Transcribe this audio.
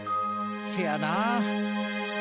せやな。